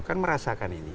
kan merasakan ini